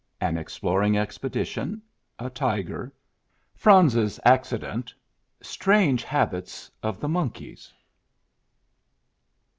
AN EXPLORING EXPEDITION — A TIGER. — FRANZ S ACCI DENT. — STRANGE HABITS OF THE MONKEYS.